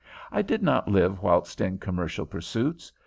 I did not live whilst in commercial pursuits.